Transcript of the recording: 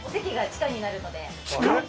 地下？